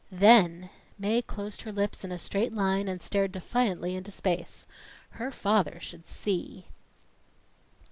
Then Mae closed her lips in a straight line and stared defiantly into space. Her father should see!